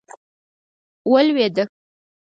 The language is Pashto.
ولوېده.